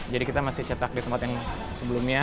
jadi kita masih cetak di tempat yang sebelumnya